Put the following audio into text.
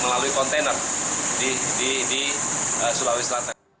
melalui kontainer di sulawesi selatan